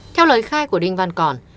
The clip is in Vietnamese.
theo lời khai của đinh văn còn